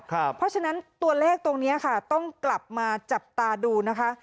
เพราะฉะนั้นตัวเลขตรงนี้ค่ะต้องกลับมาจับตาดูนะคะ